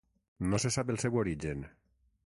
No se sap el seu origen.